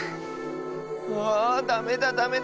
あダメだダメだ！